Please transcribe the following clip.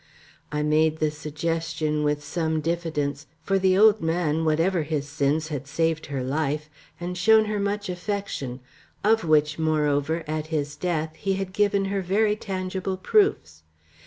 I made the suggestion with some diffidence, for the old man, whatever his sins, had saved her life, and shown her much affection, of which, moreover, at his death he had given her very tangible proofs.